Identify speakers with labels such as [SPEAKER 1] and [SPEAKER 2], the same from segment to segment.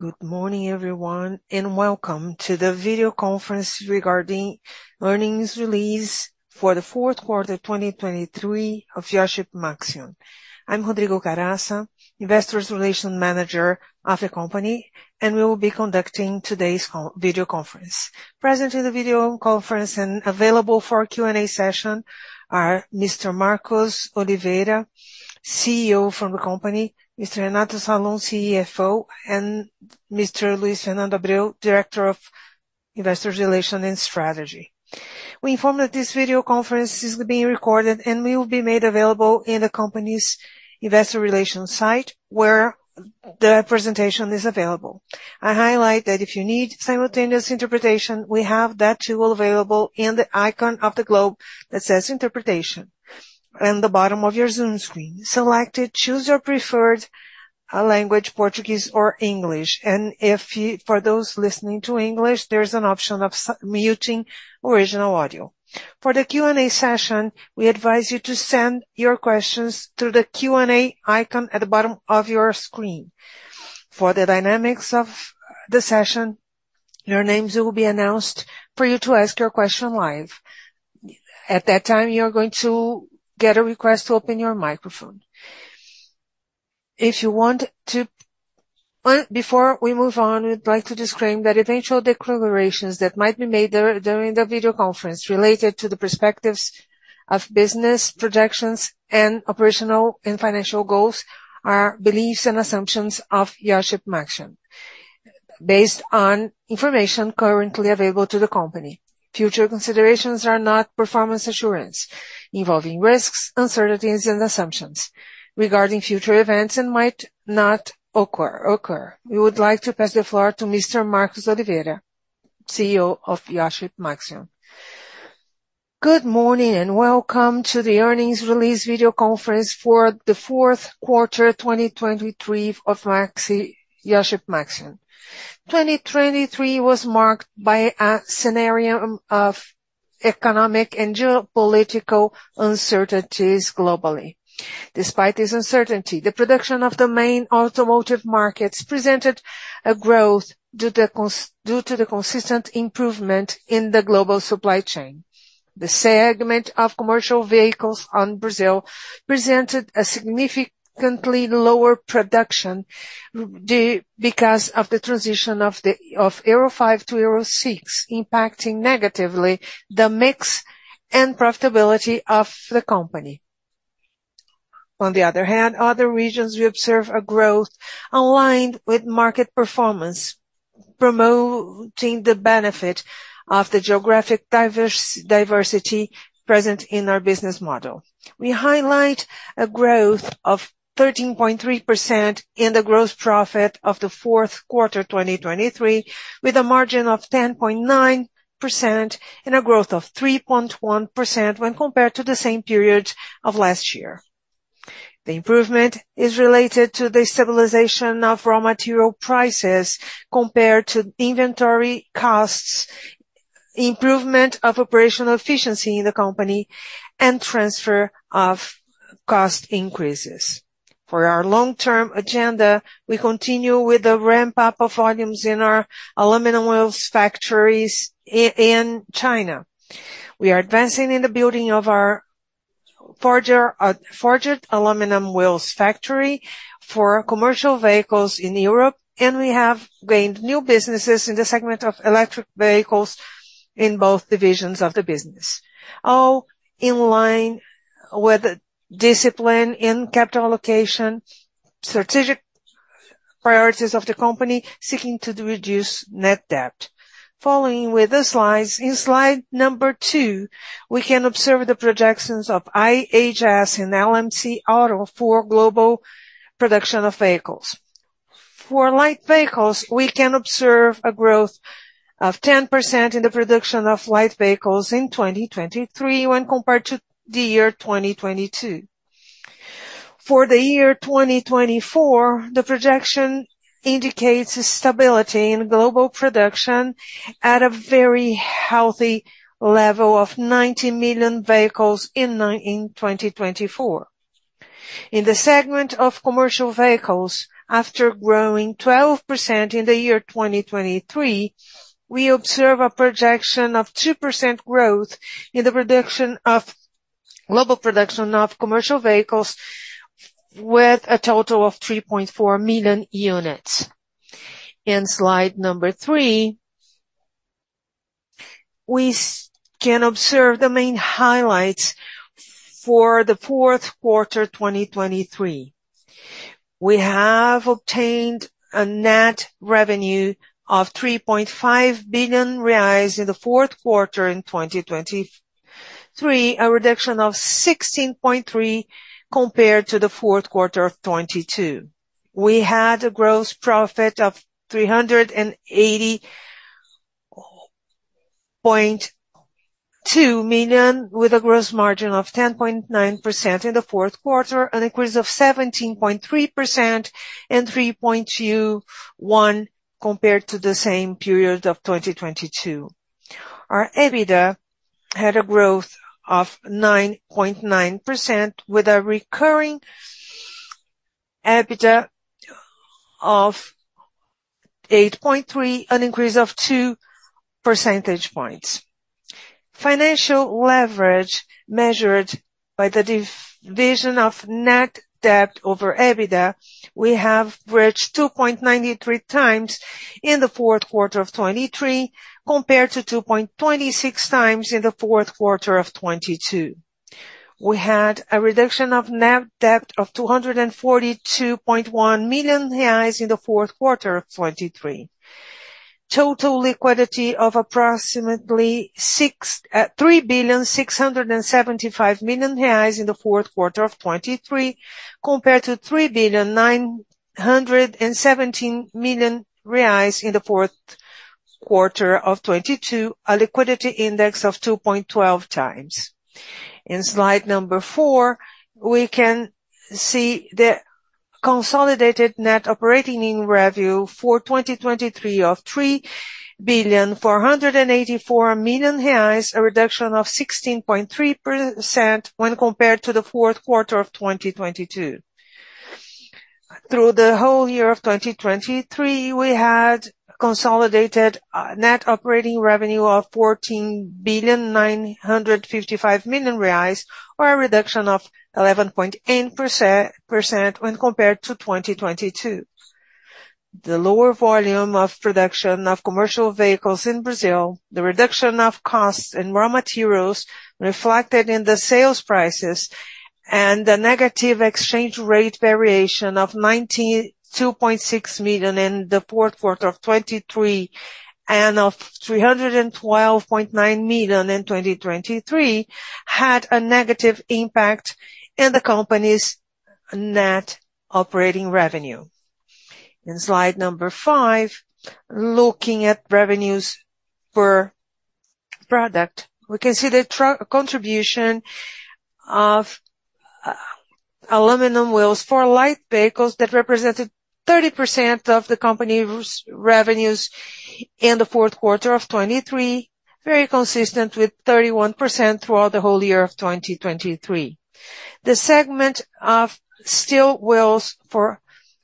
[SPEAKER 1] Good morning everyone, and welcome to the video conference regarding earnings release for the 4th quarter 2023 of Iochpe-Maxion. I'm Rodrigo Caraça, Investor Relations Manager of the company, and we will be conducting today's video conference. Present in the video conference and available for a Q&A session are Mr. Marcos Oliveira, CEO from the company, Mr. Renato Salum, CFO, and Mr. Luis Fernando Abreu, Director of Investor Relations and Strategy. We inform that this video conference is being recorded and will be made available in the company's Investor Relations site where the presentation is available. I highlight that if you need simultaneous interpretation, we have that tool available in the icon of the globe that says "Interpretation" on the bottom of your Zoom screen. Select it, choose your preferred language, Portuguese or English, and if you - for those listening to English - there's an option of muting original audio. For the Q&A session, we advise you to send your questions through the Q&A icon at the bottom of your screen. For the dynamics of the session, your names will be announced for you to ask your question live. At that time, you're going to get a request to open your microphone. If you want to, before we move on, we'd like to disclaim that eventual declarations that might be made during the video conference related to the perspectives of business projections and operational and financial goals are beliefs and assumptions of Iochpe-Maxion, based on information currently available to the company. Future considerations are not performance assurance, involving risks, uncertainties, and assumptions regarding future events and might not occur. We would like to pass the floor to Mr. Marcos Oliveira, CEO of Iochpe-Maxion.
[SPEAKER 2] Good morning and welcome to the earnings release video conference for the 4th quarter 2023 of Iochpe-Maxion. 2023 was marked by a scenario of economic and geopolitical uncertainties globally. Despite this uncertainty, the production of the main automotive markets presented growth due to the consistent improvement in the global supply chain. The segment of commercial vehicles in Brazil presented a significantly lower production because of the transition of Euro 5 to Euro 6, impacting negatively the mix and profitability of the company. On the other hand, other regions we observed growth aligned with market performance, promoting the benefit of the geographic diversity present in our business model. We highlight a growth of 13.3% in the gross profit of the 4th quarter 2023, with a margin of 10.9% and a growth of 3.1% when compared to the same period of last year. The improvement is related to the stabilization of raw material prices compared to inventory costs, improvement of operational efficiency in the company, and transfer of cost increases. For our long-term agenda, we continue with the ramp-up of volumes in our aluminum wheels factories in China. We are advancing in the building of our forged aluminum wheels factory for commercial vehicles in Europe, and we have gained new businesses in the segment of electric vehicles in both divisions of the business, all in line with discipline in capital allocation, strategic priorities of the company seeking to reduce net debt. Following with the slides, in slide number 2, we can observe the projections of IHS and LMC Auto for global production of vehicles. For light vehicles, we can observe a growth of 10% in the production of light vehicles in 2023 when compared to the year 2022. For the year 2024, the projection indicates stability in global production at a very healthy level of 90 million vehicles in 2024. In the segment of commercial vehicles, after growing 12% in the year 2023, we observe a projection of 2% growth in the global production of commercial vehicles, with a total of 3.4 million units. In slide number 3, we can observe the main highlights for the 4th quarter 2023. We have obtained a net revenue of 3.5 billion reais in the 4th quarter in 2023, a reduction of 16.3% compared to the 4th quarter of 2022. We had a gross profit of 380.2 million, with a gross margin of 10.9% in the 4th quarter, an increase of 17.3% and 3.21% compared to the same period of 2022. Our EBITDA had a growth of 9.9%, with a recurring EBITDA of 8.3%, an increase of 2 percentage points. Financial leverage measured by the division of net debt over EBITDA, we have reached 2.93 times in the 4th quarter of 2023 compared to 2.26 times in the 4th quarter of 2022. We had a reduction of net debt of 242.1 million reais in the 4th quarter of 2023, total liquidity of approximately 3.675 million reais in the 4th quarter of 2023 compared to BRL 3.917 million in the 4th quarter of 2022, a liquidity index of 2.12 times. In slide number four, we can see the consolidated net operating revenue for 2023 of 3.484 million reais, a reduction of 16.3% when compared to the 4th quarter of 2022. Through the whole year of 2023, we had consolidated net operating revenue of 14.955 million reais, or a reduction of 11.8% when compared to 2022. The lower volume of production of commercial vehicles in Brazil, the reduction of costs in raw materials reflected in the sales prices, and the negative exchange rate variation of 2.6 million in the 4th quarter of 2023 and of 312.9 million in 2023 had a negative impact in the company's net operating revenue. In slide number 5, looking at revenues per product, we can see the contribution of aluminum wheels for light vehicles that represented 30% of the company's revenues in the 4th quarter of 2023, very consistent with 31% throughout the whole year of 2023. The segment of steel wheels for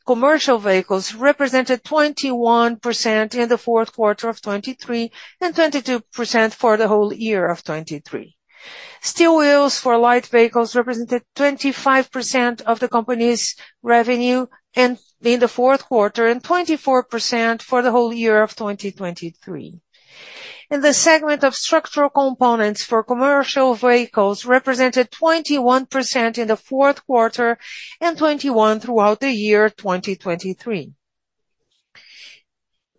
[SPEAKER 2] commercial vehicles represented 21% in the 4th quarter of 2023 and 22% for the whole year of 2023. Steel wheels for light vehicles represented 25% of the company's revenue in the 4th quarter and 24% for the whole year of 2023. The segment of structural components for commercial vehicles represented 21% in the 4th quarter and 21% throughout the year 2023.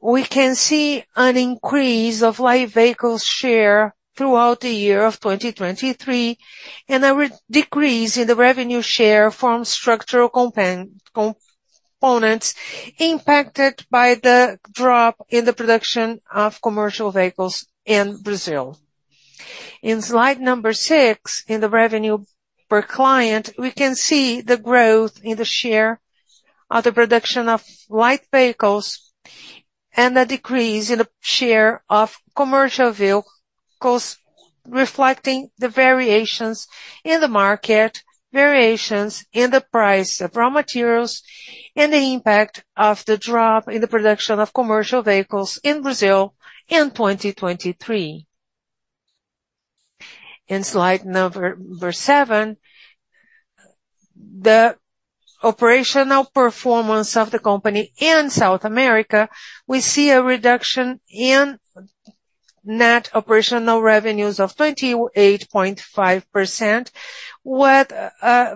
[SPEAKER 2] We can see an increase of light vehicles' share throughout the year of 2023 and a decrease in the revenue share from structural components impacted by the drop in the production of commercial vehicles in Brazil. In slide number 6, in the revenue per client, we can see the growth in the share of the production of light vehicles and a decrease in the share of commercial vehicles, reflecting the variations in the market, variations in the price of raw materials, and the impact of the drop in the production of commercial vehicles in Brazil in 2023. In slide number 7, the operational performance of the company in South America, we see a reduction in net operational revenues of 28.5%, with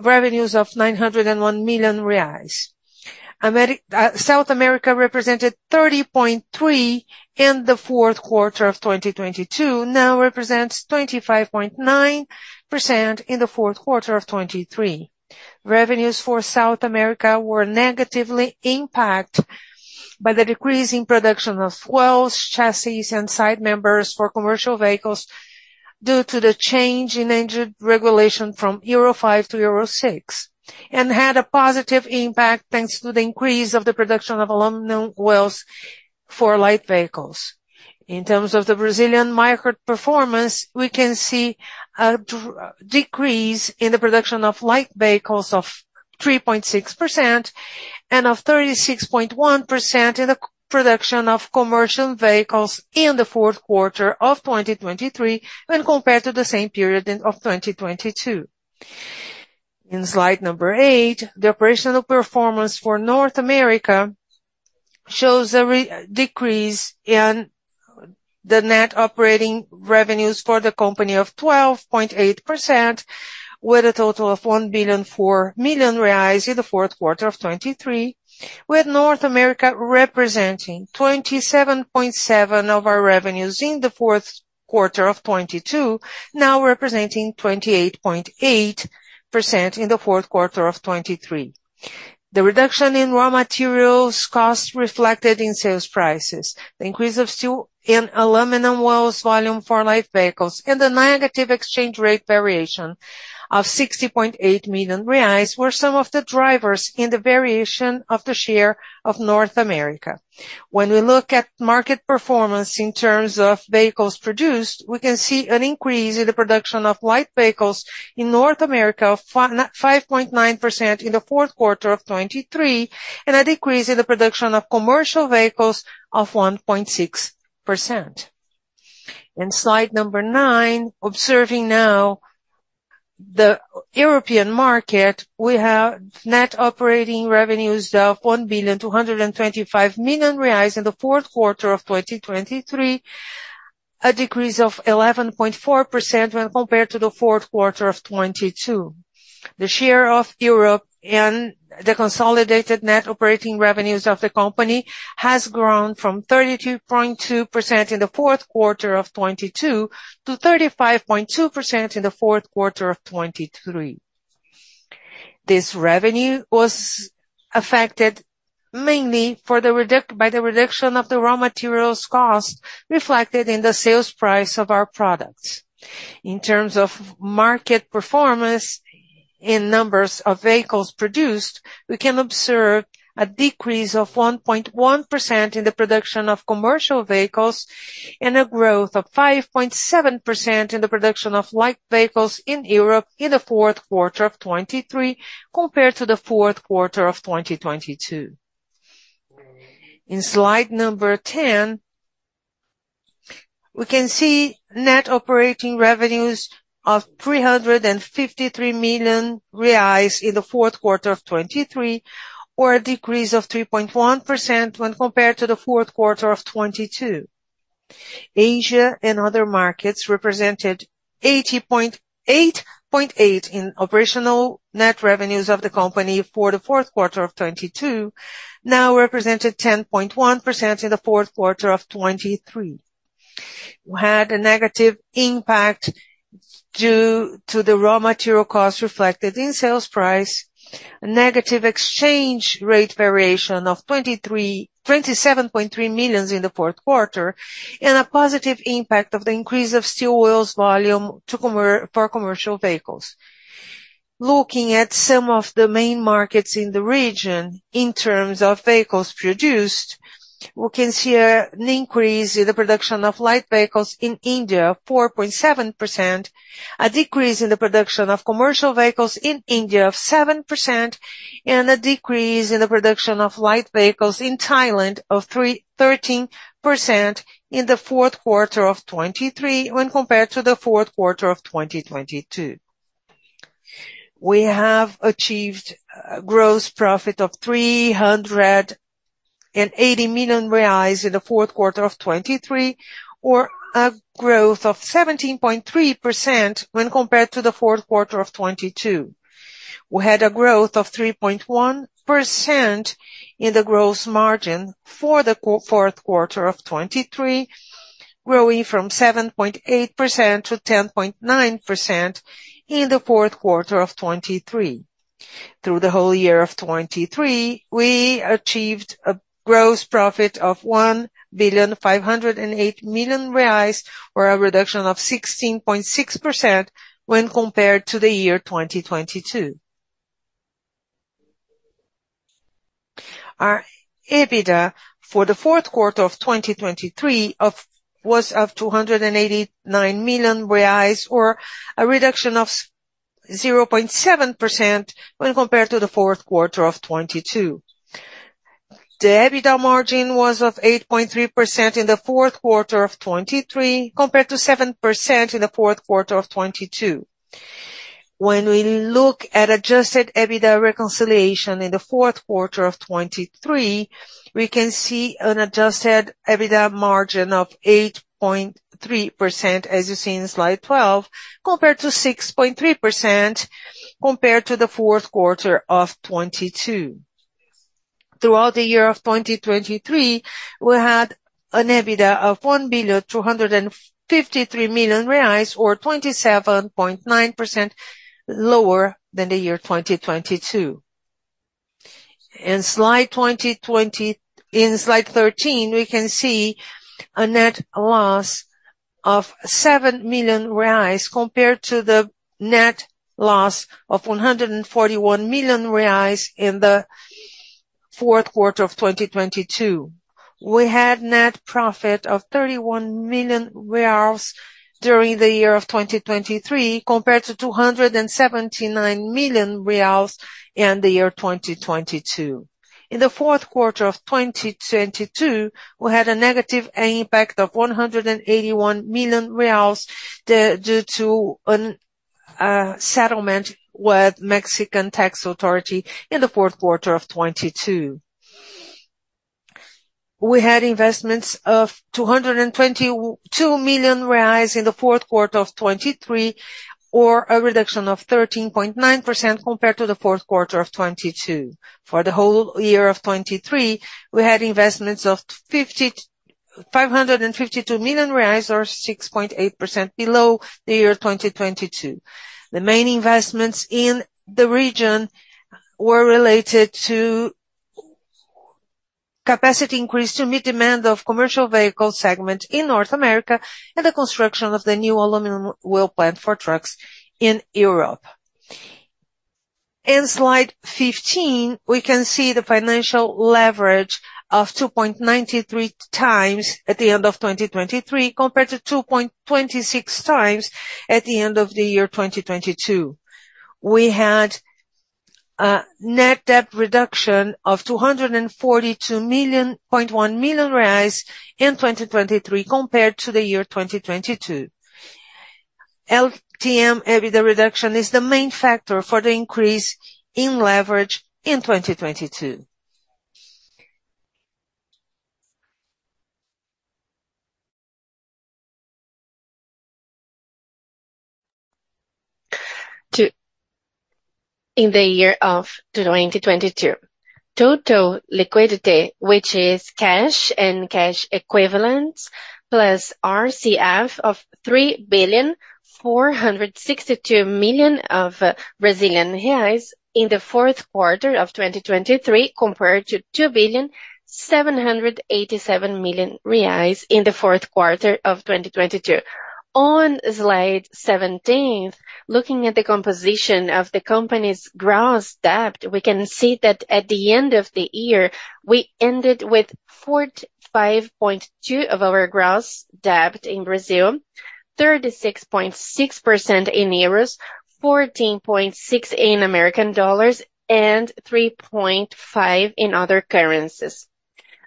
[SPEAKER 2] revenues of 901 million reais. South America represented 30.3% in the 4th quarter of 2022, now represents 25.9% in the 4th quarter of 2023. Revenues for South America were negatively impacted by the decrease in production of wheels, chassis, and side members for commercial vehicles due to the change in engine regulation from Euro 5 to Euro 6, and had a positive impact thanks to the increase of the production of aluminum wheels for light vehicles. In terms of the Brazilian microperformance, we can see a decrease in the production of light vehicles of 3.6% and of 36.1% in the production of commercial vehicles in the 4th quarter of 2023 when compared to the same period of 2022. In slide number eight, the operational performance for North America shows a decrease in the net operating revenues for the company of 12.8%, with a total of BRL 1.04 billion in the fourth quarter of 2023, with North America representing 27.7% of our revenues in the fourth quarter of 2022, now representing 28.8% in the fourth quarter of 2023. The reduction in raw materials costs reflected in sales prices, the increase of steel and aluminum wheels volume for light vehicles, and the negative exchange rate variation of 60.8 million reais were some of the drivers in the variation of the share of North America. When we look at market performance in terms of vehicles produced, we can see an increase in the production of light vehicles in North America of 5.9% in the fourth quarter of 2023 and a decrease in the production of commercial vehicles of 1.6%. In slide number 9, observing now the European market, we have net operating revenues of BRL 1.225 billion in the 4th quarter of 2023, a decrease of 11.4% when compared to the 4th quarter of 2022. The share of Europe in the consolidated net operating revenues of the company has grown from 32.2% in the 4th quarter of 2022 to 35.2% in the 4th quarter of 2023. This revenue was affected mainly by the reduction of the raw materials costs reflected in the sales price of our products. In terms of market performance in numbers of vehicles produced, we can observe a decrease of 1.1% in the production of commercial vehicles and a growth of 5.7% in the production of light vehicles in Europe in the 4th quarter of 2023 compared to the 4th quarter of 2022. In slide number 10, we can see net operating revenues of 353 million reais in the 4th quarter of 2023, or a decrease of 3.1% when compared to the 4th quarter of 2022. Asia and other markets represented 80.8% in operational net revenues of the company for the 4th quarter of 2022, now represented 10.1% in the 4th quarter of 2023. We had a negative impact due to the raw material costs reflected in sales price, a negative exchange rate variation of 27.3 million in the 4th quarter, and a positive impact of the increase of steel wheels volume for commercial vehicles. Looking at some of the main markets in the region in terms of vehicles produced, we can see an increase in the production of light vehicles in India of 4.7%, a decrease in the production of commercial vehicles in India of 7%, and a decrease in the production of light vehicles in Thailand of 13% in the 4th quarter of 2023 when compared to the 4th quarter of 2022. We have achieved a gross profit of 380 million reais in the 4th quarter of 2023, or a growth of 17.3% when compared to the 4th quarter of 2022. We had a growth of 3.1% in the gross margin for the 4th quarter of 2023, growing from 7.8% to 10.9% in the 4th quarter of 2023. Through the whole year of 2023, we achieved a gross profit of 1.508 million reais, or a reduction of 16.6% when compared to the year 2022. Our EBITDA for the 4th quarter of 2023 was 289 million reais, or a reduction of 0.7% when compared to the 4th quarter of 2022. The EBITDA margin was 8.3% in the 4th quarter of 2023 compared to 7% in the 4th quarter of 2022. When we look at Adjusted EBITDA reconciliation in the 4th quarter of 2023, we can see an Adjusted EBITDA margin of 8.3%, as you see in slide 12, compared to 6.3% compared to the 4th quarter of 2022. Throughout the year of 2023, we had an EBITDA of 1.253 million reais, or 27.9% lower than the year 2022. In slide 13, we can see a net loss of 7 million reais compared to the net loss of 141 million reais in the 4th quarter of 2022. We had net profit of 31 million reais during the year of 2023 compared to 279 million reais in the year 2022. In the 4th quarter of 2022, we had a negative impact of 181 million reais due to a settlement with Mexican Tax Authority in the 4th quarter of 2022. We had investments of 222 million reais in the 4th quarter of 2023, or a reduction of 13.9% compared to the 4th quarter of 2022. For the whole year of 2023, we had investments of 552 million reais, or 6.8% below the year 2022. The main investments in the region were related to capacity increase to meet demand of the commercial vehicle segment in North America and the construction of the new aluminum wheel plant for trucks in Europe. In slide 15, we can see the financial leverage of 2.93x at the end of 2023 compared to 2.26x at the end of the year 2022. We had a net debt reduction of 242.1 million in 2023 compared to the year 2022. LTM EBITDA reduction is the main factor for the increase in leverage in 2022. In the year of 2022, total liquidity, which is cash and cash equivalents, plus RCF of 3.462 billion in the 4th quarter of 2023 compared to 2.787 million reais in the 4th quarter of 2022. On slide 17, looking at the composition of the company's gross debt, we can see that at the end of the year, we ended with 45.2% of our gross debt in Brazil, 36.6% in euros, 14.6% in U.S. dollars, and 3.5% in other currencies.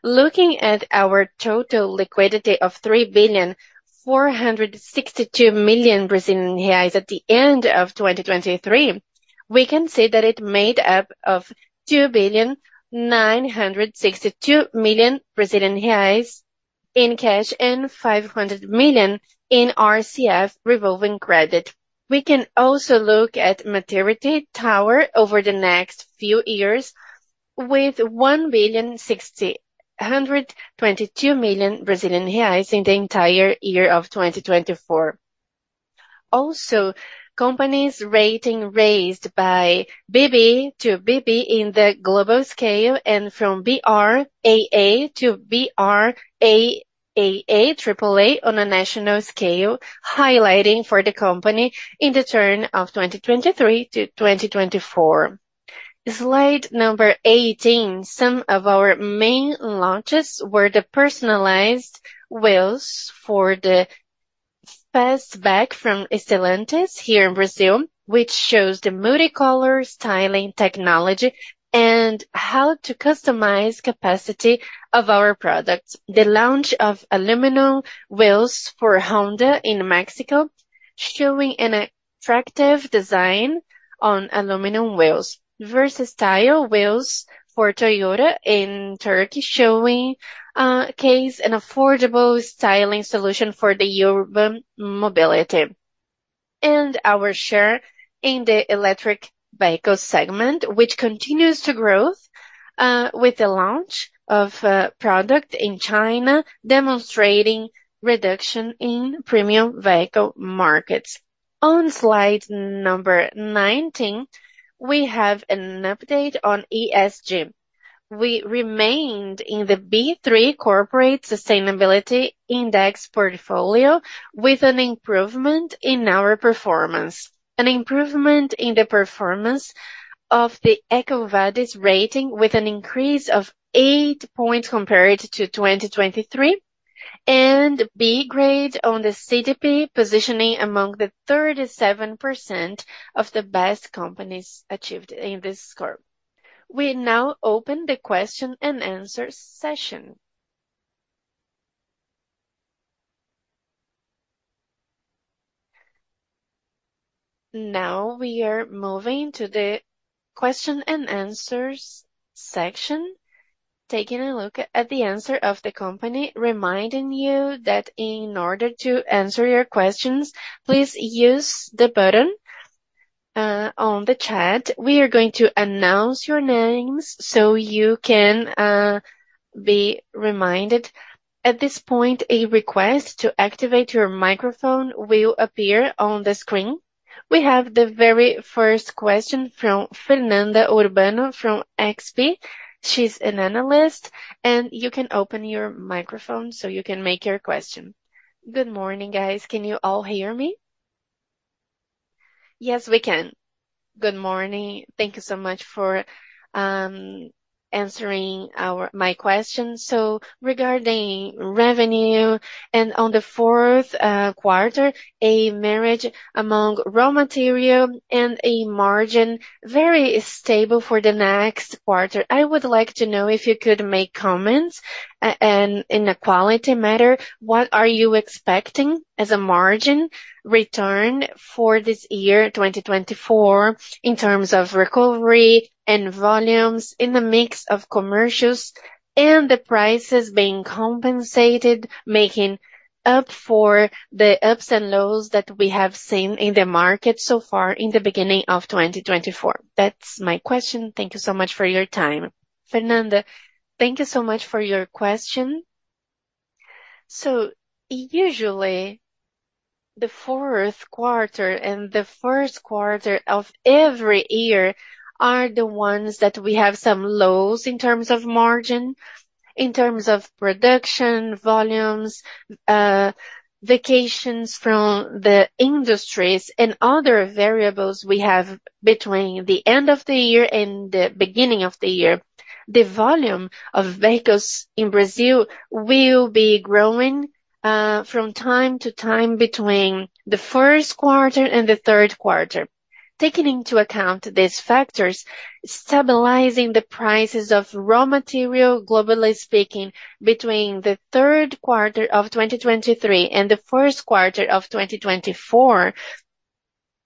[SPEAKER 2] Looking at our total liquidity of 3.462 billion at the end of 2023, we can see that it made up of 2.962 million Brazilian reais in cash and 500 million in RCF revolving credit. We can also look at maturity tower over the next few years, with 1.622 million Brazilian reais in the entire year of 2024. Also, company's rating raised by from BB- to BB in the global scale and from BrAA to BrAAA on a national scale, highlighting for the company in the turn of 2023 to 2024. Slide 18, some of our main launches were the personalized wheels for the Fastback from Stellantis here in Brazil, which shows the Multi-Color styling technology and how to customize the capacity of our products. The launch of aluminum wheels for Honda in Mexico, showing an attractive design on aluminum wheels, steel wheels for Toyota in Turkey, showing a cost- and affordable styling solution for the urban mobility. And our share in the electric vehicle segment, which continues to grow with the launch of a product in China demonstrating reduction in premium vehicle markets. On slide 19, we have an update on ESG. We remained in the B3 Corporate Sustainability Index portfolio with an improvement in our performance. An improvement in the performance of the EcoVadis rating with an increase of 8 points compared to 2023, and B grade on the CDP positioning among the 37% of the best companies achieved in this score. We now open the question and answer session. Now we are moving to the question and answers section, taking a look at the answer of the company, reminding you that in order to answer your questions, please use the button on the chat. We are going to announce your names so you can be reminded. At this point, a request to activate your microphone will appear on the screen. We have the very first question from Fernanda Urbano from XP. She's an analyst, and you can open your microphone so you can make your question.
[SPEAKER 3] Good morning, guys. Can you all hear me? Yes, we can. Good morning. Thank you so much for answering my question. So, regarding revenue, and on the 4th quarter, a margin on raw material and a margin very stable for the next quarter. I would like to know if you could make comments on a quality matter. What are you expecting as a margin return for this year, 2024, in terms of recovery and volumes in the mix of commercials and the prices being compensated, making up for the ups and downs that we have seen in the market so far in the beginning of 2024? That's my question. Thank you so much for your time.
[SPEAKER 2] Fernanda, thank you so much for your question. So, usually, the 4th quarter and the 1st quarter of every year are the ones that we have some lows in terms of margin, in terms of production, volumes, vacations from the industries, and other variables we have between the end of the year and the beginning of the year. The volume of vehicles in Brazil will be growing from time to time between the 1st quarter and the 3rd quarter. Taking into account these factors, stabilizing the prices of raw material, globally speaking, between the 3rd quarter of 2023 and the 1st quarter of 2024,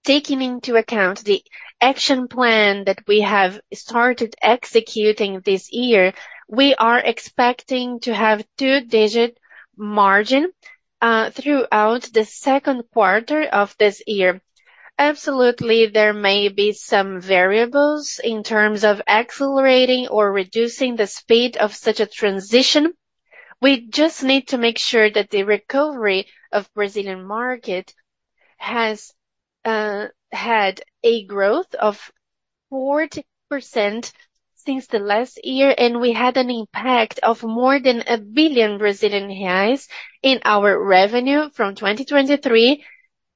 [SPEAKER 2] taking into account the action plan that we have started executing this year, we are expecting to have a two-digit margin throughout the 2nd quarter of this year. Absolutely, there may be some variables in terms of accelerating or reducing the speed of such a transition. We just need to make sure that the recovery of the Brazilian market has had a growth of 40% since the last year, and we had an impact of more than 1 billion Brazilian reais in our revenue from 2023 to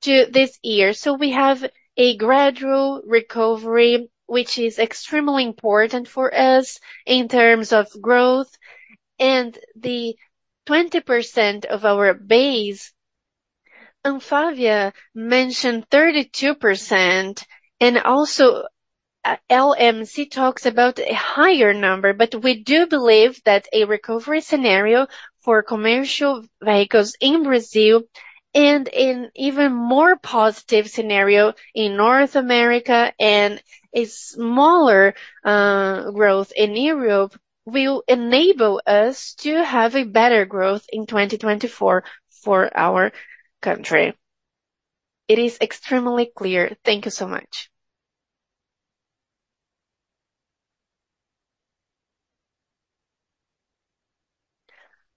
[SPEAKER 2] this year. So, we have a gradual recovery, which is extremely important for us in terms of growth, and the 20% of our base. Anfavea mentioned 32%, and also LMC talks about a higher number, but we do believe that a recovery scenario for commercial vehicles in Brazil and an even more positive scenario in North America and a smaller growth in Europe will enable us to have better growth in 2024 for our country. It is extremely clear. Thank you so much.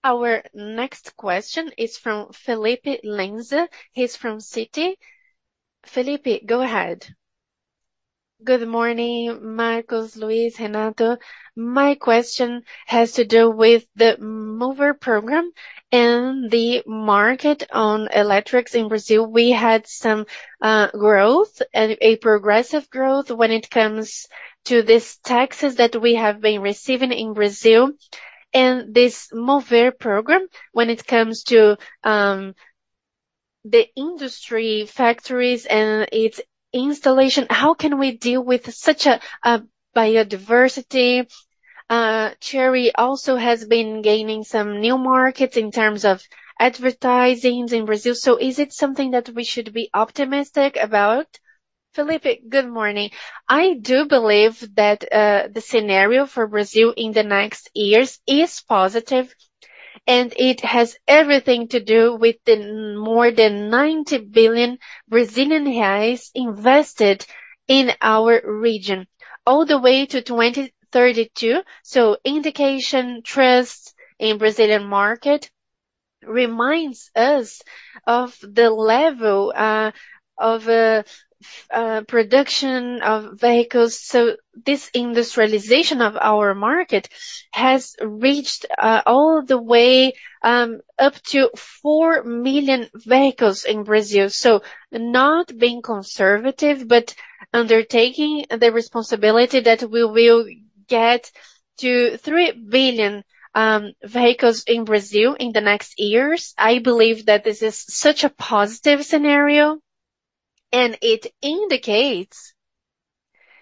[SPEAKER 2] Our next question is from Felipe Lenza. He's from Citi. Felipe, go ahead.
[SPEAKER 4] Good morning, Marcos, Luis, Renato. My question has to do with the MOVER program and the market on electrics in Brazil. We had some growth, a progressive growth, when it comes to these taxes that we have been receiving in Brazil, and this MOVER program, when it comes to the industry, factories, and its installation. How can we deal with such a biodiversity? Chery also has been gaining some new markets in terms of advertising in Brazil. So, is it something that we should be optimistic about?
[SPEAKER 2] Felipe, good morning. I do believe that the scenario for Brazil in the next years is positive, and it has everything to do with more than 90 billion Brazilian reais invested in our region all the way to 2032. So, indication trust in the Brazilian market reminds us of the level of production of vehicles. This industrialization of our market has reached all the way up to 4 million vehicles in Brazil. Not being conservative but undertaking the responsibility that we will get to 3 billion vehicles in Brazil in the next years, I believe that this is such a positive scenario, and it indicates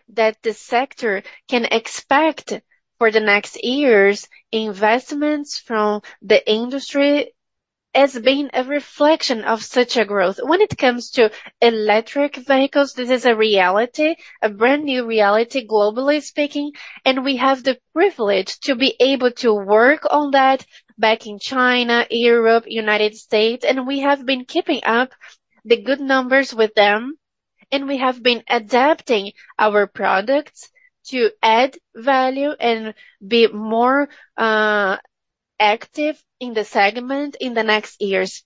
[SPEAKER 2] that the sector can expect for the next years investments from the industry as being a reflection of such a growth. When it comes to electric vehicles, this is a reality, a brand new reality, globally speaking, and we have the privilege to be able to work on that back in China, Europe, United States, and we have been keeping up the good numbers with them, and we have been adapting our products to add value and be more active in the segment in the next years.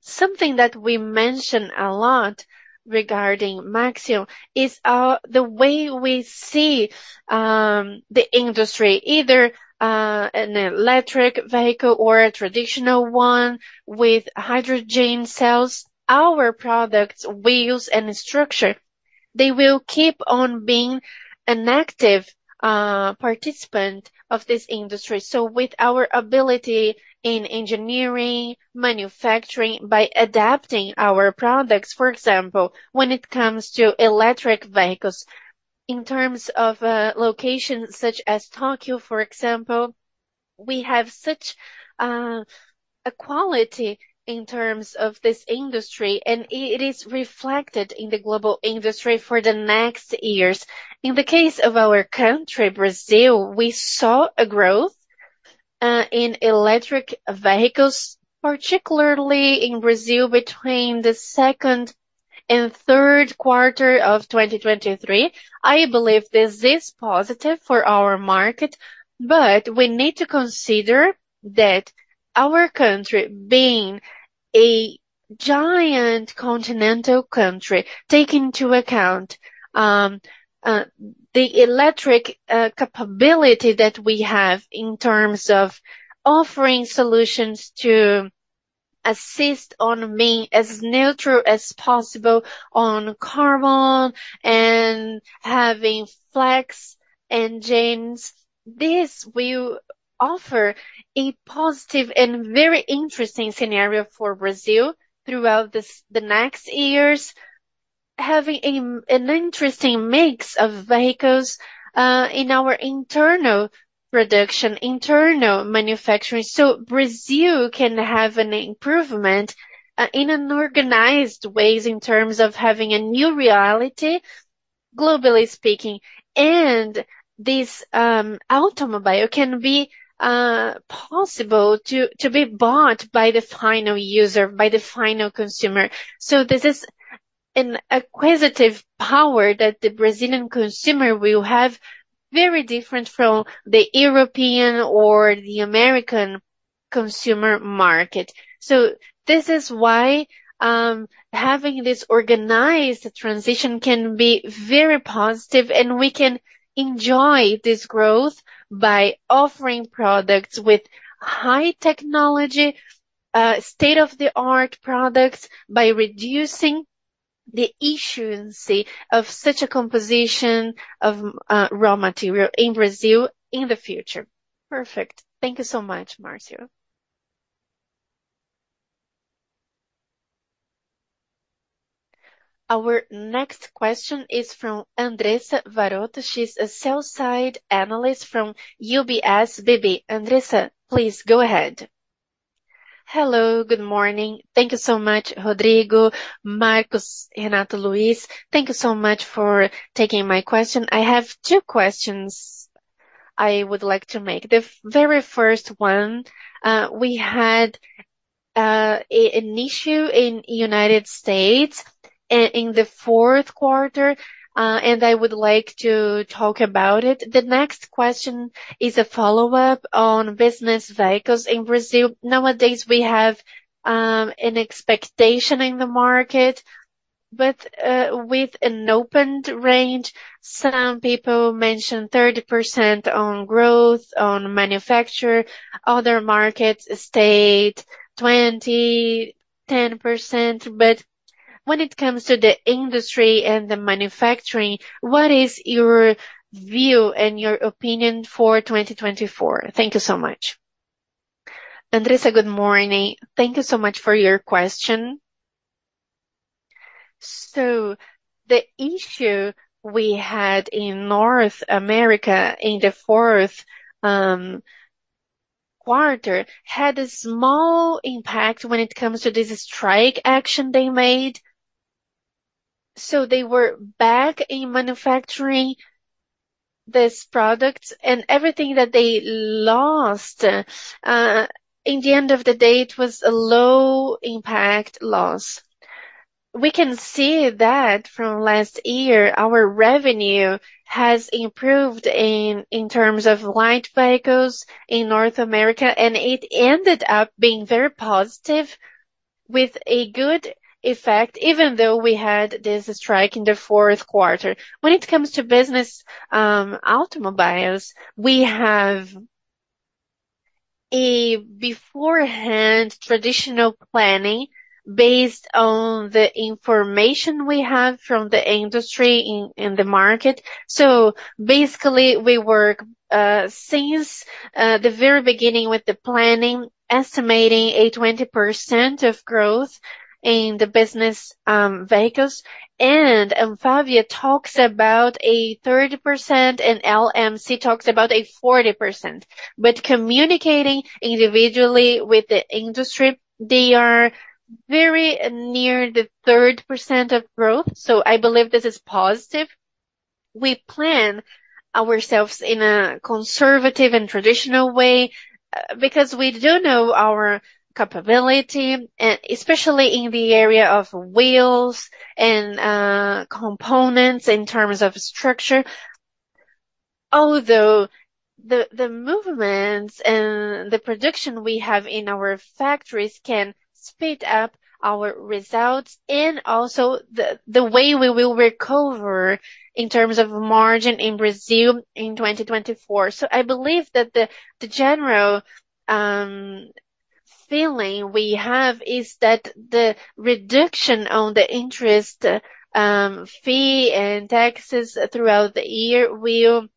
[SPEAKER 2] Something that we mention a lot regarding Maxion is the way we see the industry, either an electric vehicle or a traditional one with hydrogen cells. Our products, wheels, and structure, they will keep on being an active participant of this industry. So, with our ability in engineering, manufacturing, by adapting our products, for example, when it comes to electric vehicles, in terms of locations such as Tokyo, for example, we have such a quality in terms of this industry, and it is reflected in the global industry for the next years. In the case of our country, Brazil, we saw a growth in electric vehicles, particularly in Brazil between the 2nd and 3rd quarter of 2023. I believe this is positive for our market, but we need to consider that our country being a giant continental country, taking into account the electric capability that we have in terms of offering solutions to assist on being as neutral as possible on carbon and having flex engines. This will offer a positive and very interesting scenario for Brazil throughout the next years, having an interesting mix of vehicles in our internal production, internal manufacturing. So, Brazil can have an improvement in an organized way in terms of having a new reality, globally speaking, and this automobile can be possible to be bought by the final user, by the final consumer. So, this is an acquisitive power that the Brazilian consumer will have very different from the European or the American consumer market. This is why having this organized transition can be very positive, and we can enjoy this growth by offering products with high technology, state-of-the-art products, by reducing the issue of such a composition of raw material in Brazil in the future.
[SPEAKER 4] Perfect. Thank you so much, Marcos.
[SPEAKER 5] Our next question is from Andressa Varotto. She's a sell-side analyst from UBS BB. Andressa, please go ahead.
[SPEAKER 1] Hello. Good morning. Thank you so much, Rodrigo, Marcos, Renato, Luis. Thank you so much for taking my question. I have two questions I would like to make. The very first one, we had an issue in the United States in the 4th quarter, and I would like to talk about it. The next question is a follow-up on business vehicles in Brazil. Nowadays, we have an expectation in the market, but with an open range. Some people mentioned 30% on growth, on manufacturing. Other markets state 20%, 10%. But when it comes to the industry and the manufacturing, what is your view and your opinion for 2024? Thank you so much. Andressa, good morning.
[SPEAKER 2] Thank you so much for your question. So, the issue we had in North America in the 4th quarter had a small impact when it comes to this strike action they made. So, they were back in manufacturing these products, and everything that they lost, in the end of the day, it was a low-impact loss. We can see that from last year. Our revenue has improved in terms of light vehicles in North America, and it ended up being very positive with a good effect, even though we had this strike in the 4th quarter. When it comes to business automobiles, we have a beforehand traditional planning based on the information we have from the industry in the market. So, basically, we work since the very beginning with the planning, estimating a 20% of growth in the business vehicles. And Anfavea talks about a 30%, and LMC talks about a 40%. But communicating individually with the industry, they are very near the 30% of growth. So, I believe this is positive. We plan ourselves in a conservative and traditional way because we do know our capability, especially in the area of wheels and components in terms of structure. Although the movements and the production we have in our factories can speed up our results and also the way we will recover in terms of margin in Brazil in 2024. I believe that the general feeling we have is that the reduction on the interest fee and taxes throughout the year will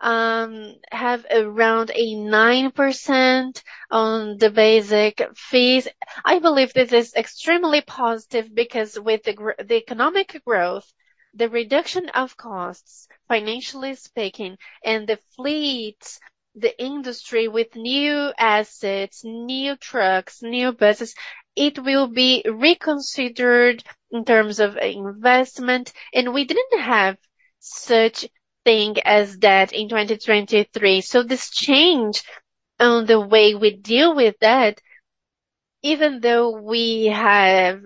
[SPEAKER 2] have around 9% on the basic fees. I believe this is extremely positive because with the economic growth, the reduction of costs, financially speaking, and the fleets, the industry with new assets, new trucks, new buses, it will be reconsidered in terms of investment. We didn't have such a thing as that in 2023. This change on the way we deal with that, even though we have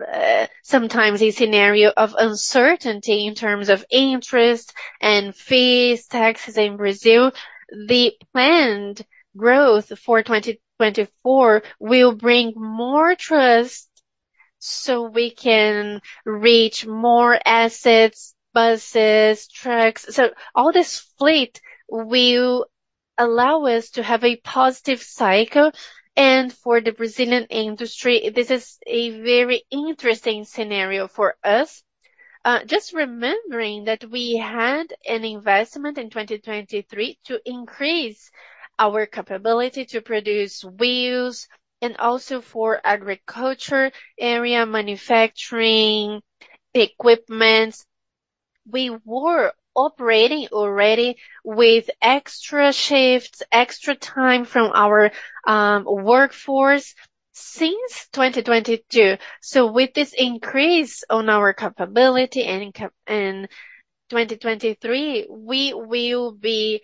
[SPEAKER 2] sometimes a scenario of uncertainty in terms of interest and fees, taxes in Brazil, the planned growth for 2024 will bring more trust so we can reach more assets, buses, trucks. All this fleet will allow us to have a positive cycle. For the Brazilian industry, this is a very interesting scenario for us, just remembering that we had an investment in 2023 to increase our capability to produce wheels and also for agriculture, area, manufacturing, equipment. We were operating already with extra shifts, extra time from our workforce since 2022. So, with this increase on our capability in 2023, we will be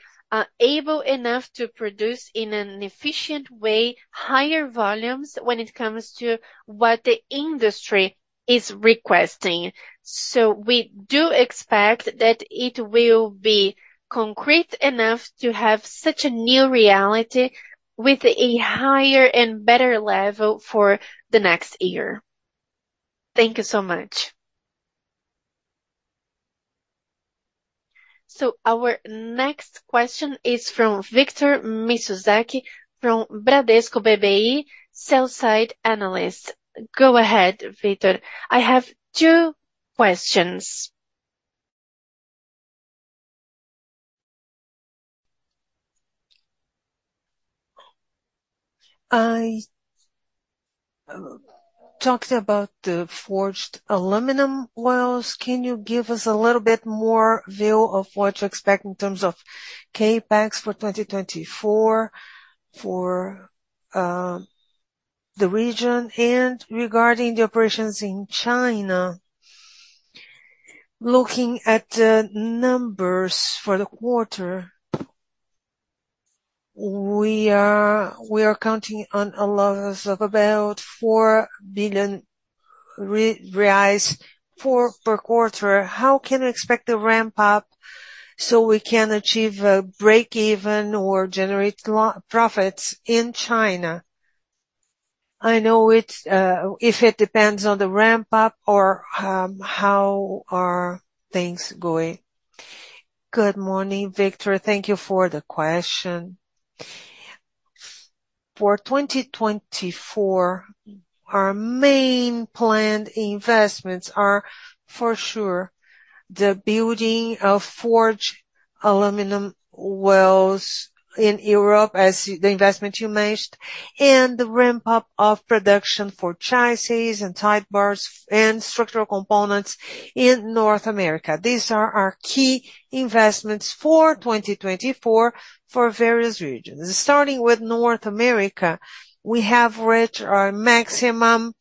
[SPEAKER 2] able enough to produce in an efficient way higher volumes when it comes to what the industry is requesting. So, we do expect that it will be concrete enough to have such a new reality with a higher and better level for the next year.
[SPEAKER 1] Thank you so much. So, our next question is from Victor Mizusaki from Bradesco BBI, sell-side analyst. Go ahead, Victor.
[SPEAKER 6] I have two questions. I talked about the forged aluminum wheels. Can you give us a little bit more view of what to expect in terms of CAPEX for 2024 for the region? And regarding the operations in China, looking at the numbers for the quarter, we are counting on a loss of about 4 billion reais per quarter. How can we expect to ramp up so we can achieve a break-even or generate profits in China? I know if it depends on the ramp-up or how are things going.
[SPEAKER 2] Good morning, Victor. Thank you for the question. For 2024, our main planned investments are for sure the building of forged aluminum wheels in Europe, as the investment you mentioned, and the ramp-up of production for chassis and tie bars and structural components in North America. These are our key investments for 2024 for various regions. Starting with North America, we have reached our maximum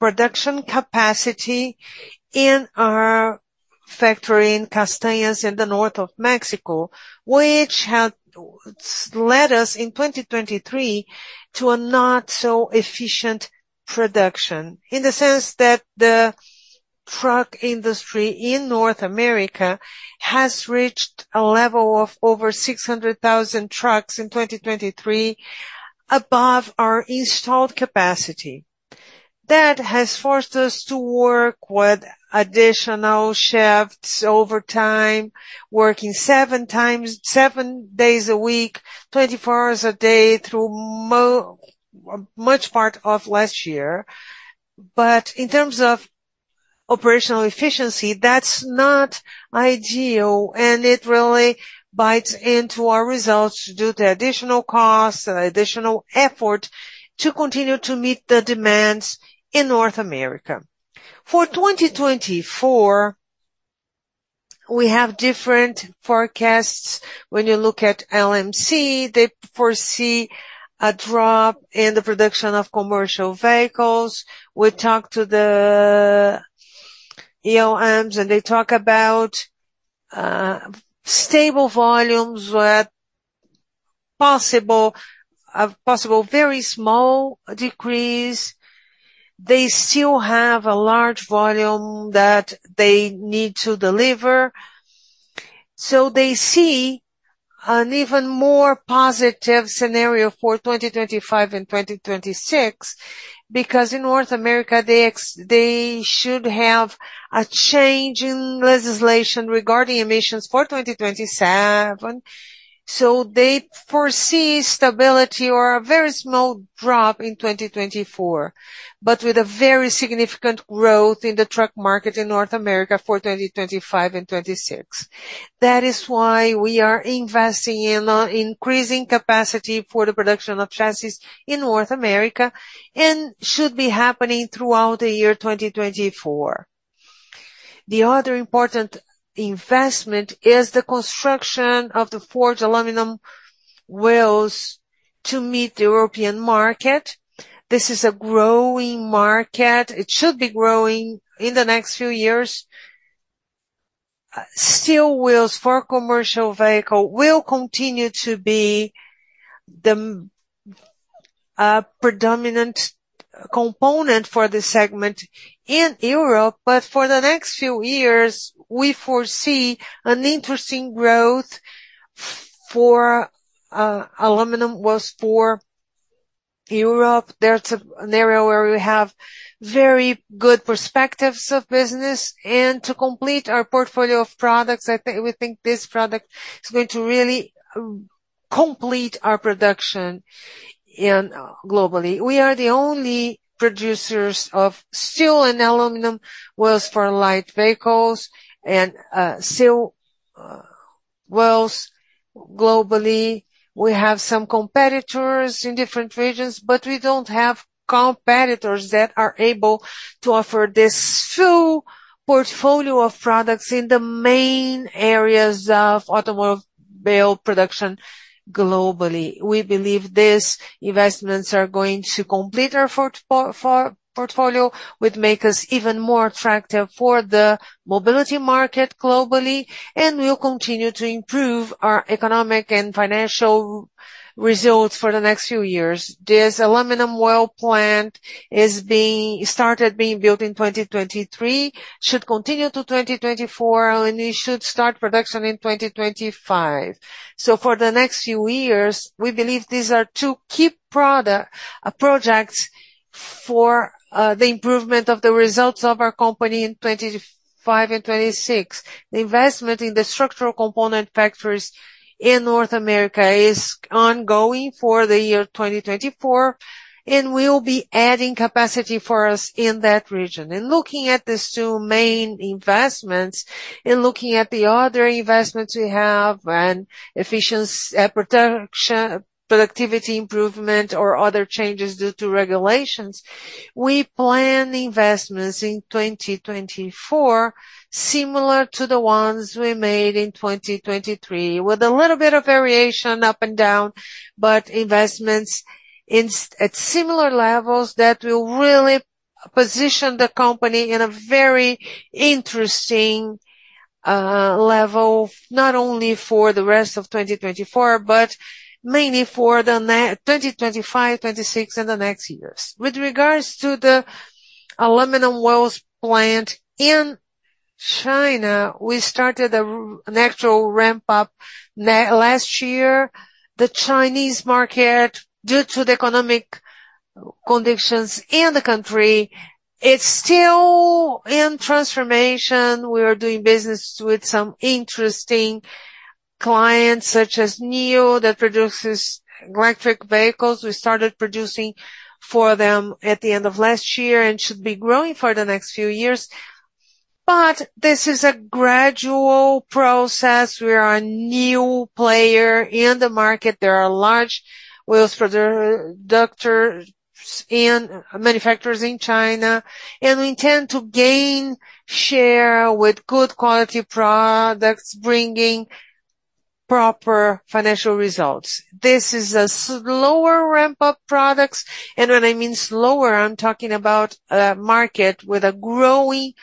[SPEAKER 2] production capacity in our factory in Castaños, in the north of Mexico, which led us in 2023 to a not-so-efficient production in the sense that the truck industry in North America has reached a level of over 600,000 trucks in 2023 above our installed capacity. That has forced us to work with additional shifts over time, working seven days a week, 24 hours a day through a much part of last year. But in terms of operational efficiency, that's not ideal, and it really bites into our results due to the additional cost, the additional effort to continue to meet the demands in North America. For 2024, we have different forecasts. When you look at LMC, they foresee a drop in the production of commercial vehicles. We talk to the OEMs, and they talk about stable volumes with a possible very small decrease. They still have a large volume that they need to deliver. So, they see an even more positive scenario for 2025 and 2026 because in North America, they should have a change in legislation regarding emissions for 2027. So, they foresee stability or a very small drop in 2024, but with a very significant growth in the truck market in North America for 2025 and 2026. That is why we are investing in increasing capacity for the production of chassis in North America and should be happening throughout the year 2024. The other important investment is the construction of the forged aluminum wheels to meet the European market. This is a growing market. It should be growing in the next few years. Steel wheels for commercial vehicles will continue to be the predominant component for this segment in Europe, but for the next few years, we foresee an interesting growth for aluminum wheels for Europe. That's an area where we have very good perspectives of business. And to complete our portfolio of products, we think this product is going to really complete our production globally. We are the only producers of steel and aluminum wheels for light vehicles and steel wheels globally. We have some competitors in different regions, but we don't have competitors that are able to offer this full portfolio of products in the main areas of automobile production globally. We believe these investments are going to complete our portfolio, which makes us even more attractive for the mobility market globally, and will continue to improve our economic and financial results for the next few years. This aluminum wheel plant has started being built in 2023, should continue to 2024, and it should start production in 2025. So, for the next few years, we believe these are two key projects for the improvement of the results of our company in 2025 and 2026. The investment in the structural component factories in North America is ongoing for the year 2024, and we will be adding capacity for us in that region. Looking at these two main investments and looking at the other investments we have and efficiency productivity improvement or other changes due to regulations, we plan investments in 2024 similar to the ones we made in 2023 with a little bit of variation up and down, but investments at similar levels that will really position the company in a very interesting level not only for the rest of 2024 but mainly for 2025, 2026, and the next years. With regards to the aluminum wheels plant in China, we started an actual ramp-up last year. The Chinese market, due to the economic conditions in the country, is still in transformation. We are doing business with some interesting clients such as NIO that produces electric vehicles. We started producing for them at the end of last year and should be growing for the next few years. But this is a gradual process. We are a new player in the market. There are large manufacturers in China, and we intend to gain share with good quality products bringing proper financial results. This is a slower ramp-up product. And when I mean slower, I'm talking about a market with a growing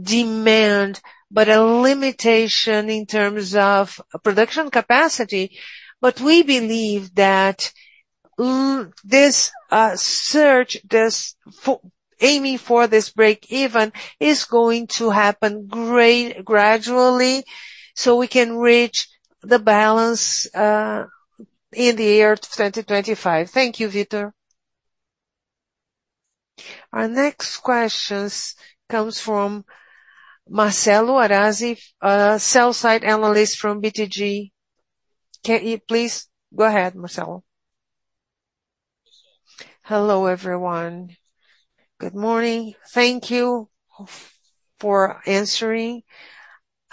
[SPEAKER 2] demand but a limitation in terms of production capacity. But we believe that this search aiming for this break-even is going to happen gradually so we can reach the balance in the year 2025. Thank you, Victor.
[SPEAKER 1] Our next question comes from Marcelo Arazi, sell-side analyst from BTG. Please go ahead, Marcelo.
[SPEAKER 7] Hello, everyone. Good morning. Thank you for answering.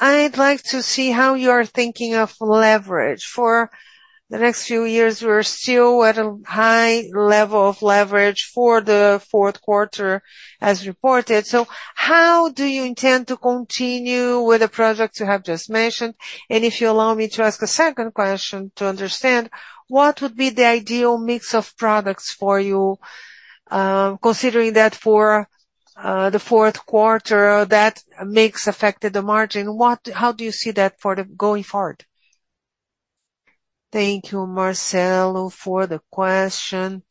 [SPEAKER 7] I'd like to see how you are thinking of leverage. For the next few years, we are still at a high level of leverage for the fourth quarter, as reported.
[SPEAKER 1] So, how do you intend to continue with the products you have just mentioned? And if you allow me to ask a second question to understand, what would be the ideal mix of products for you, considering that for the fourth quarter, that mix affected the margin? How do you see that going forward?
[SPEAKER 8] Thank you, Marcelo, for the question.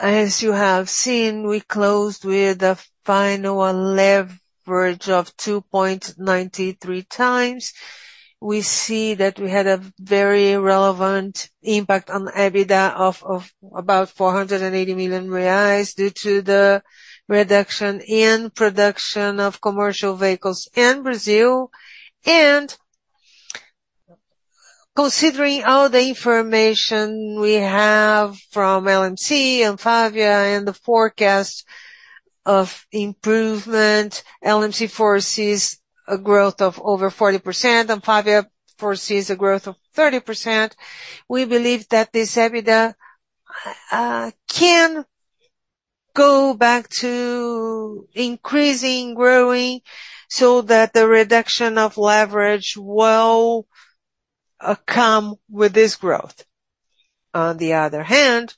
[SPEAKER 8] As you have seen, we closed with a final leverage of 2.93x. We see that we had a very relevant impact on EBITDA of about 480 million reais due to the reduction in production of commercial vehicles in Brazil. And considering all the information we have from LMC, Anfavea, and the forecast of improvement, LMC foresees a growth of over 40%. Anfavea foresees a growth of 30%. We believe that this EBITDA can go back to increasing, growing so that the reduction of leverage will come with this growth. On the other hand,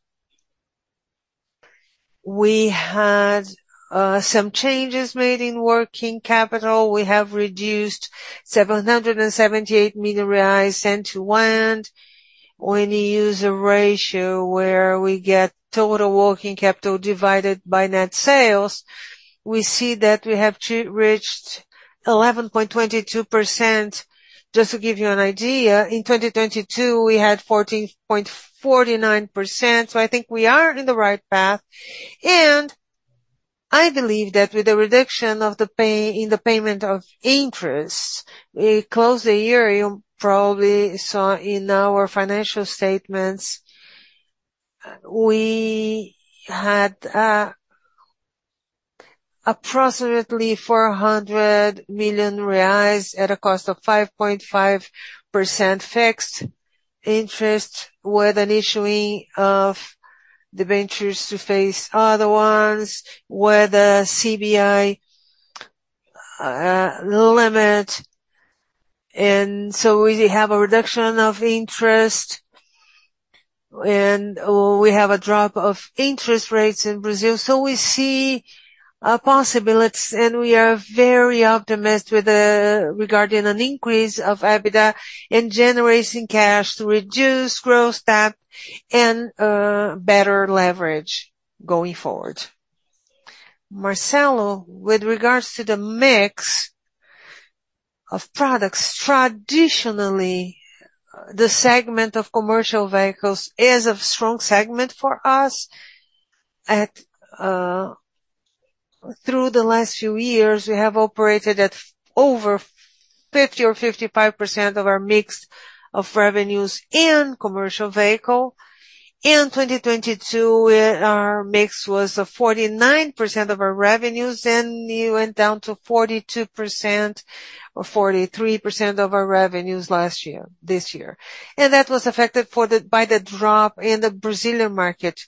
[SPEAKER 8] we had some changes made in working capital. We have reduced 778 million reais into one when you use a ratio where we get total working capital divided by net sales. We see that we have reached 11.22%. Just to give you an idea, in 2022, we had 14.49%. So, I think we are in the right path. And I believe that with the reduction in the payment of interest, we closed the year you probably saw in our financial statements, we had approximately 400 million reais at a cost of 5.5% fixed interest with an issuing of debentures to face other ones with a CBI limit. And so, we have a reduction of interest, and we have a drop of interest rates in Brazil. So, we see possibilities, and we are very optimistic regarding an increase of EBITDA and generating cash to reduce growth debt and better leverage going forward. Marcelo, with regards to the mix of products, traditionally, the segment of commercial vehicles is a strong segment for us. Through the last few years, we have operated at over 50% or 55% of our mix of revenues in commercial vehicle. In 2022, our mix was 49% of our revenues, and it went down to 42% or 43% of our revenues this year. And that was affected by the drop in the Brazilian market.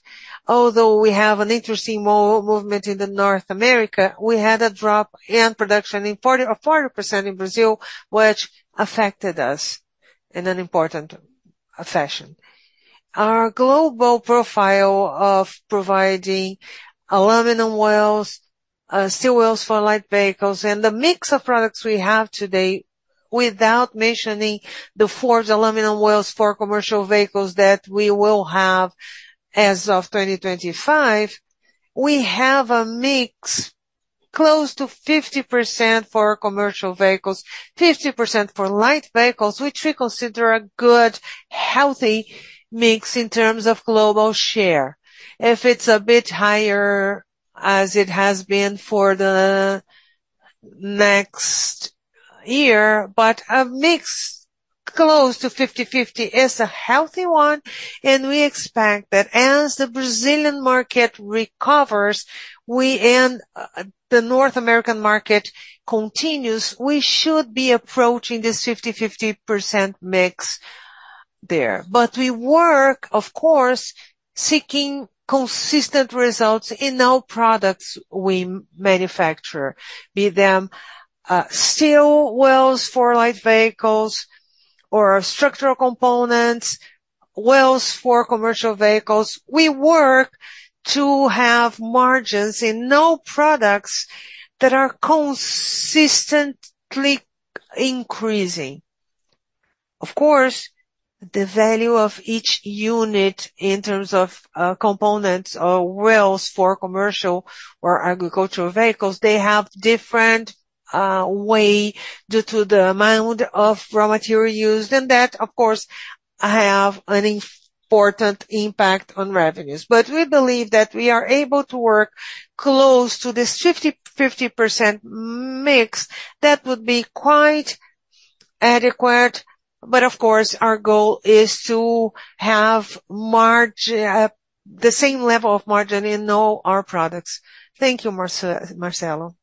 [SPEAKER 8] Although we have an interesting movement in North America, we had a drop in production of 40% in Brazil, which affected us in an important fashion. Our global profile of providing aluminum wheels, steel wheels for light vehicles, and the mix of products we have today, without mentioning the forged aluminum wheels for commercial vehicles that we will have as of 2025, we have a mix close to 50% for commercial vehicles, 50% for light vehicles, which we consider a good, healthy mix in terms of global share, if it's a bit higher as it has been for the next year. But a mix close to 50/50 is a healthy one, and we expect that as the Brazilian market recovers and the North American market continues, we should be approaching this 50/50 mix there. But we work, of course, seeking consistent results in all products we manufacture, be them steel wheels for light vehicles or structural components, wheels for commercial vehicles. We work to have margins in all products that are consistently increasing. Of course, the value of each unit in terms of components or wheels for commercial or agricultural vehicles, they have different ways due to the amount of raw material used, and that, of course, has an important impact on revenues. But we believe that we are able to work close to this 50/50% mix. That would be quite adequate. But, of course, our goal is to have the same level of margin in all our products. Thank you, Marcelo.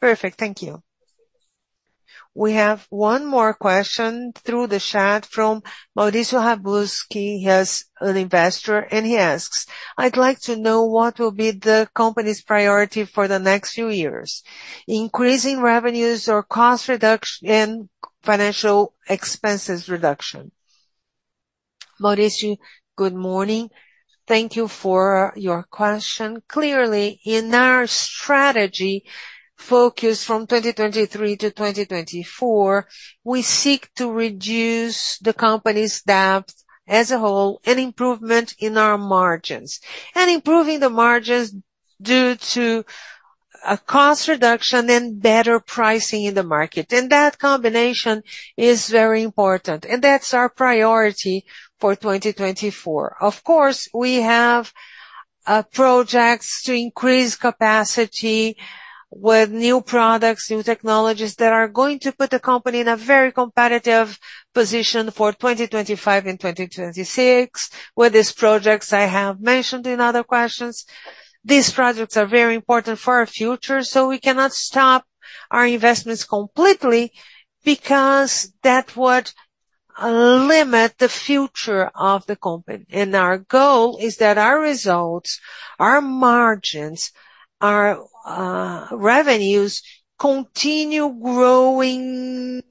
[SPEAKER 8] Perfect.
[SPEAKER 1] Thank you. We have one more question through the chat from Mauricio Habuski. He is an investor, and he asks, "I'd like to know what will be the company's priority for the next few years: increasing revenues or cost reduction and financial expenses reduction?" Mauricio, good morning. Thank you for your question.
[SPEAKER 2] Clearly, in our strategy focus from 2023 to 2024, we seek to reduce the company's debt as a whole and improvement in our margins and improving the margins due to cost reduction and better pricing in the market. That combination is very important, and that's our priority for 2024. Of course, we have projects to increase capacity with new products, new technologies that are going to put the company in a very competitive position for 2025 and 2026 with these projects I have mentioned in other questions. These projects are very important for our future, so we cannot stop our investments completely because that would limit the future of the company. Our goal is that our results, our margins, our revenues continue growing,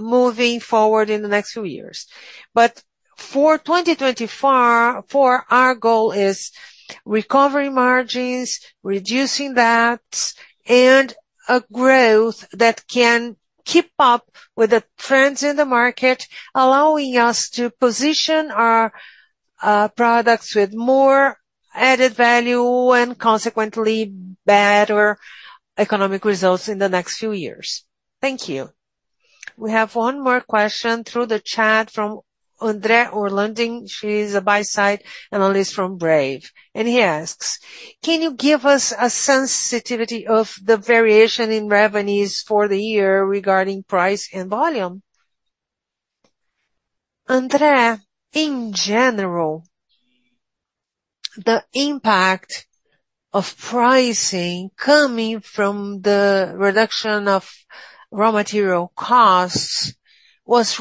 [SPEAKER 2] moving forward in the next few years. But for 2024, our goal is recovering margins, reducing debts, and a growth that can keep up with the trends in the market, allowing us to position our products with more added value and, consequently, better economic results in the next few years.
[SPEAKER 1] Thank you. We have one more question through the chat from André Orlandi. She's a buy-side analyst from Brave. And he asks, "Can you give us a sensitivity of the variation in revenues for the year regarding price and volume?"
[SPEAKER 8] André, in general, the impact of pricing coming from the reduction of raw material costs was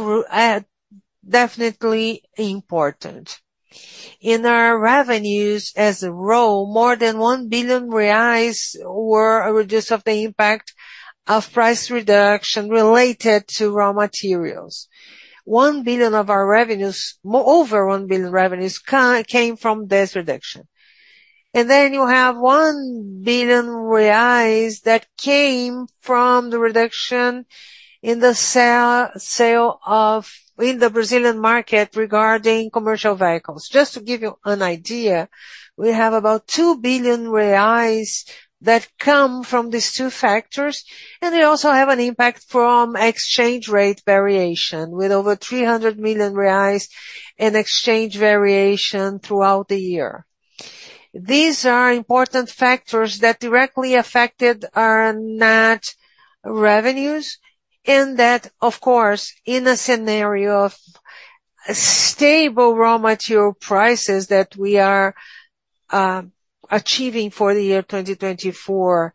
[SPEAKER 8] definitely important. In our revenues as a whole, more than 1 billion reais were a reduction of the impact of price reduction related to raw materials. Over 1 billion revenues came from this reduction. And then you have 1 billion reais that came from the reduction in the sale in the Brazilian market regarding commercial vehicles. Just to give you an idea, we have about 2 billion reais that come from these two factors. And they also have an impact from exchange rate variation with over 300 million reais in exchange variation throughout the year. These are important factors that directly affected our net revenues and that, of course, in a scenario of stable raw material prices that we are achieving for the year 2024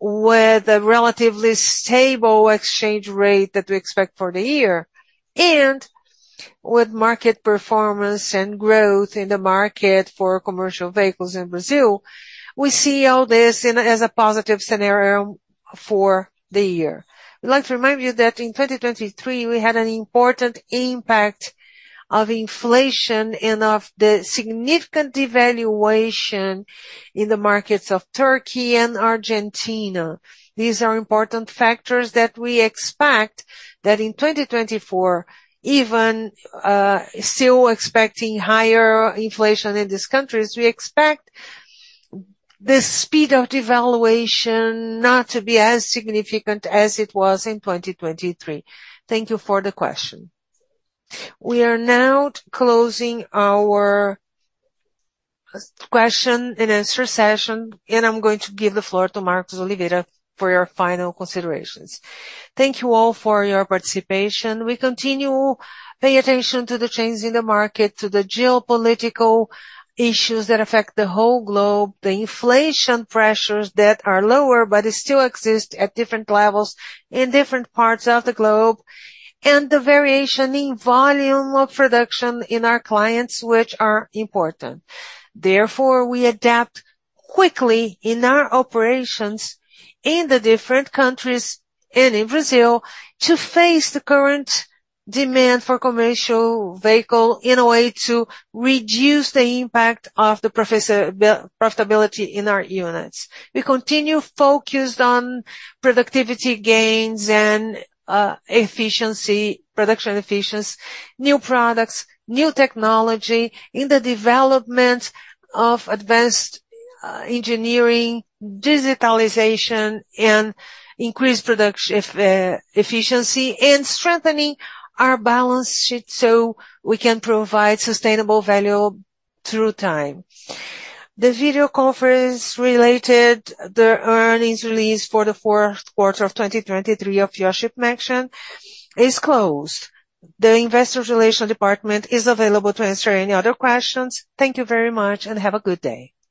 [SPEAKER 8] with a relatively stable exchange rate that we expect for the year and with market performance and growth in the market for commercial vehicles in Brazil, we see all this as a positive scenario for the year.
[SPEAKER 1] We'd like to remind you that in 2023, we had an important impact of inflation and of the significant devaluation in the markets of Turkey and Argentina. These are important factors that we expect that in 2024, even still expecting higher inflation in these countries, we expect the speed of devaluation not to be as significant as it was in 2023. Thank you for the question. We are now closing our question and answer session, and I'm going to give the floor to Marcos Oliveira for your final considerations. Thank you all for your participation. We continue to pay attention to the changes in the market, to the geopolitical issues that affect the whole globe, the inflation pressures that are lower but still exist at different levels in different parts of the globe, and the variation in volume of production in our clients, which are important. Therefore, we adapt quickly in our operations in the different countries and in Brazil to face the current demand for commercial vehicles in a way to reduce the impact of the profitability in our units. We continue focused on productivity gains and production efficiency, new products, new technology in the development of advanced engineering, digitalization, and increased efficiency and strengthening our balance sheet so we can provide sustainable value through time. The video conference-related earnings release for the fourth quarter of 2023 of Iochpe-Maxion is closed. The investor relations department is available to answer any other questions. Thank you very much, and have a good day.